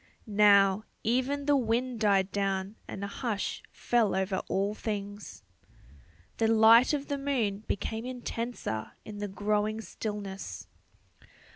Now, even the wind died down and a hush fell over all things. The light of the moon became intenser in the growing stillness.